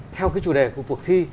theo cái chủ đề của cuộc thi